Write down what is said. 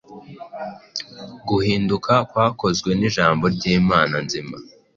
Guhinduka kwakozwe n’ijambo ry’Imana nzima,